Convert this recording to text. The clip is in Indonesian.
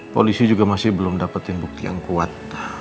polisi juga masih belum dapetin bukti yang kuat